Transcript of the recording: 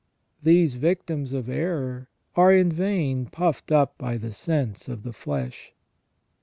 These victims of error are "in vain puffed up by the sense of the flesh